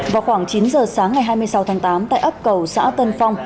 vào khoảng chín giờ sáng ngày hai mươi sáu tháng tám tại ấp cầu xã tân phong